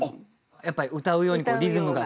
やっぱり歌うようにリズムが。